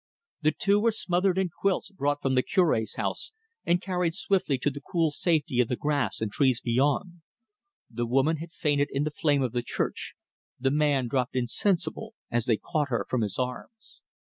The two were smothered in quilts brought from the Cure's house, and carried swiftly to the cool safety of the grass and trees beyond. The woman had fainted in the flame of the church; the man dropped insensible as they caught her from his arms.